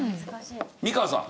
美川さん。